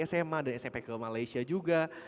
sma dan smp ke malaysia juga